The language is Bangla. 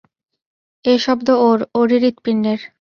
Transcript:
এ শব্দ ওর, ওরই হৃৎপিণ্ডের।